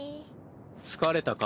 疲れたか？